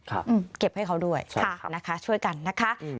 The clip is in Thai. แล้วเอาไปทานของคนอื่นเก็บให้เขาด้วยช่วยกันนะคะ